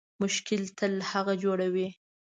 مشکل تل هغه جوړوي